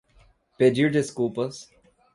Pedir desculpas